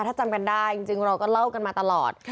ถ้าจำกันได้จริงเราก็เล่ากันมาตลอด